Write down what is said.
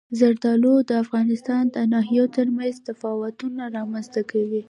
زردالو د افغانستان د ناحیو ترمنځ تفاوتونه رامنځ ته کوي.